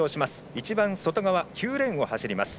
一番外側、９レーンを走ります。